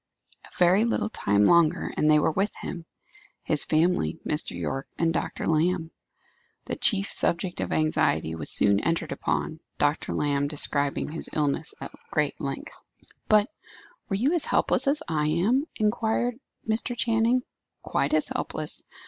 A very little time longer, and they were with him his family, Mr. Yorke, and Dr. Lamb. The chief subject of anxiety was soon entered upon, Dr. Lamb describing his illness at great length. "But were you as helpless as I am?" inquired Mr. Channing. "Quite as helpless.